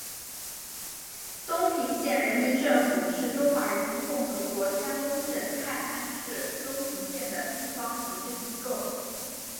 东平县人民政府是中华人民共和国山东省泰安市东平县的地方行政机构。